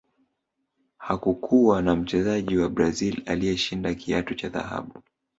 hakukuwa na mchezaji wa brazil aliyeshinda kiatu cha dhahabu